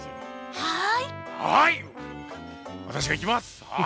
はい。